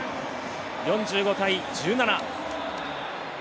４５対１７。